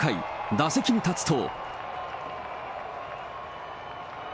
打席に立つと。